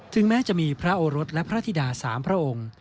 ถึงแม้จะมีพระอรรษและพระฐีดาสามพระองค์